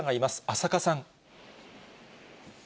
浅賀さん。